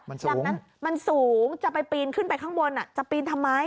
ดังนั้นมันสูงจะไปปีนขึ้นไปข้างบนจะปีนทำไม